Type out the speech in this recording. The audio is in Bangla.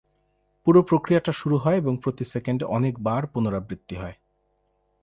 পুরো প্রক্রিয়াটা শুরু হয় এবং প্রতি সেকেন্ডে অনেক বার পুনরাবৃত্তি হয়।